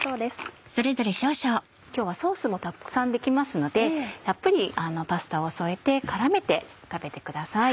今日はソースもたくさん出来ますのでたっぷりパスタを添えて絡めて食べてください。